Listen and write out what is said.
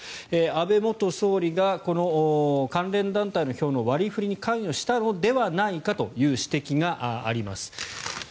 安倍元総理がこの関連団体の票の割り振りに関与したのではないかという指摘があります。